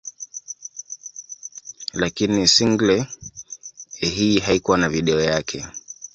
Lakini single hii haikuwa na video yake.